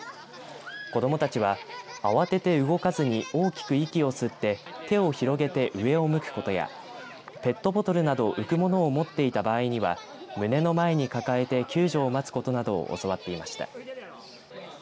子どもたちは慌てて動かずに大きく息を吸って手を広げて上を向くことやペットボトルなどと浮くものを持っていた場合には胸の前に抱えて救助を待つことなどを教わっていました。